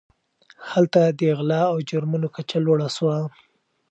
هلته د غلا او جرمونو کچه لوړه سوه.